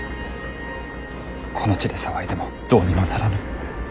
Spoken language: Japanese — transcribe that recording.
この地で騒いでもどうにもならぬ。